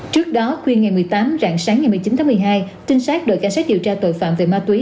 trước đó khuyên ngày một mươi tám rạng sáng ngày một mươi chín tháng một mươi hai trinh sát đội cảnh sát điều tra tội phạm về ma túy